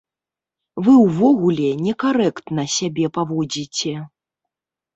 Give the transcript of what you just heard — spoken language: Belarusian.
Вы ўвогуле некарэктна сябе паводзіце.